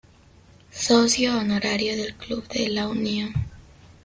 Socio honorario del Club de La Unión.